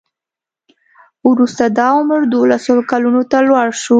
وروسته دا عمر دولسو کلونو ته لوړ شو.